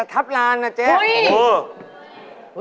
ทับลานนะเจ๊เฮ่ยโอ้โฮโอ้โฮ